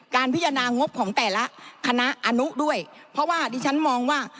การพิจารณางบของแต่ละคณะอนุด้วยเพราะว่าดิฉันมองว่า